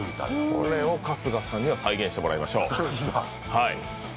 これを春日さんに再現してもらいましょう。